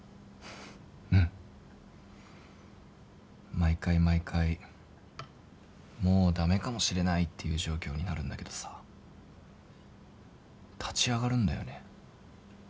毎回毎回もう駄目かもしれないっていう状況になるんだけどさ立ち上がるんだよね。